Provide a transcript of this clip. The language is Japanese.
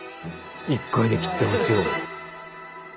１回で切ってますよ。